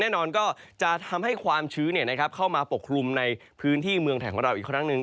แน่นอนก็จะทำให้ความชื้นเนี่ยนะครับเข้ามาปกครุมในพื้นที่เมืองแถวของเราอีกครั้งนึง